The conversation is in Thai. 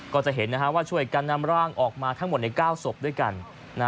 ก็จะเห็นว่าช่วยกันนำร่างออกมาทั้งหมดใน๙ศพด้วยกัน